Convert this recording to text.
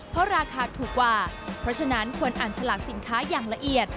เพราะราคาถูกกว่าเพราะฉะนั้นควรอ่านฉลากสินค้าอย่างละเอียด